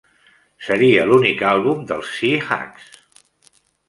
Seria l'únic àlbum dels Sea Hags.